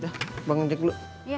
dah bang ojek dulu